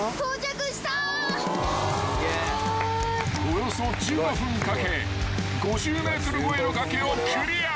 ［およそ１５分かけ５０ｍ超えの崖をクリア］